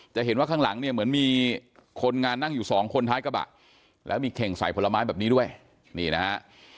จะเห็นว่าข้างหลังเนี่ยเหมือนมีคนงานนั่งอยู่สองคนท้ายกระบะแล้วมีเข่งใส่ผลไม้แบบนี้ด้วยนี่นะฮะ